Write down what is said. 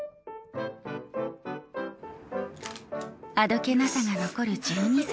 あどけなさが残る１２歳。